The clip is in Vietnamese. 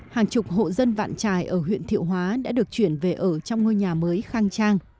hàng chục hộ dân vạn trài ở huyện thiệu hóa đã được chuyển về ở trong ngôi nhà mới khang trang